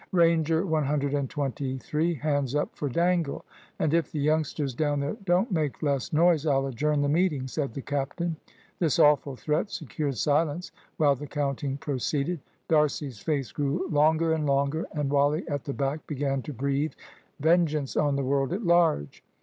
"Ranger one hundred and twenty three. Hands up for Dangle; and if the youngsters down there don't make less noise, I'll adjourn the meeting," said the captain. This awful threat secured silence while the counting proceeded. D'Arcy's face grew longer and longer, and Wally at the back began to breathe vengeance on the world at large.